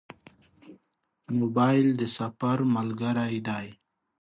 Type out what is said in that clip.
موبایل د سفر ملګری دی.